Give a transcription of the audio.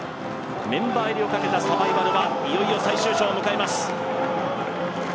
メンバー入りをかけたサバイバルはいよいよ最終章を迎えます。